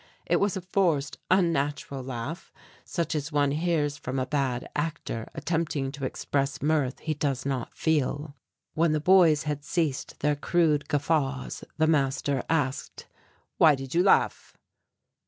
It was a forced unnatural laughter such as one hears from a bad actor attempting to express mirth he does not feel. When the boys had ceased their crude guffaws the master asked, "Why did you laugh?"